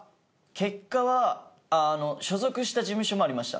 結果は所属した事務所もありました。